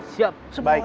siap semua orang